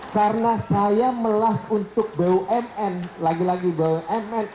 karena saya melas untuk bumn lagi lagi bumn